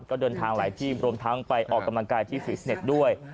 ก็เดินทางหลายที่รวมทั้งไปออกกำลังกายที่ฟิสเน็ตด้วย